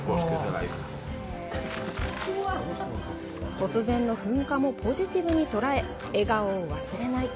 突然の噴火もポジティブに捉え笑顔を忘れない。